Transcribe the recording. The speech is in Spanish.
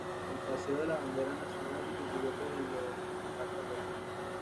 El paseo de la bandera nacional sustituyó pues al del estandarte real.